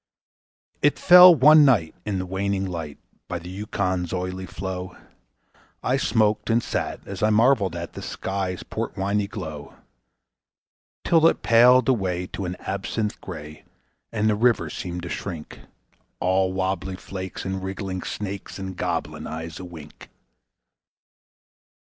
It fell one night in the waning light by the Yukon's oily flow, I smoked and sat as I marvelled at the sky's port winey glow; Till it paled away to an absinthe gray, and the river seemed to shrink, All wobbly flakes and wriggling snakes and goblin eyes a wink.